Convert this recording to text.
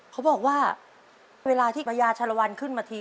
เขาบอกว่าเวลาที่พญาชาลวันขึ้นมาที